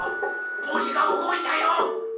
ぼうしがうごいたよ！